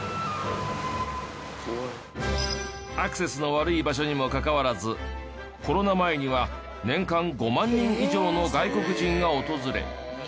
アクセスの悪い場所にもかかわらずコロナ前には年間５万人以上の外国人が訪れ。